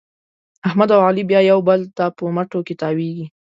احمد او علي بیا یو بل ته په مټو کې تاوېږي.